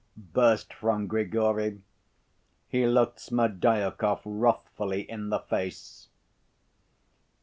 burst from Grigory. He looked Smerdyakov wrathfully in the face.